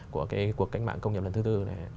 của cái cuộc cách mạng công nhập lần thứ bốn